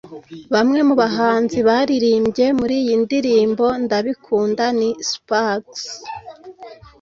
Bamwe mu bahanzi baririmbye muri iyi ndirimbo ‘Ndabikunda’ ni Spax